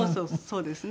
そうですね。